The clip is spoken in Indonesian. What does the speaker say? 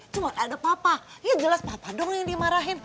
cuma ada papa ya jelas papa dong yang dimarahin